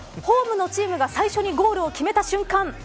ホームのチームが最初にゴールを決めた瞬間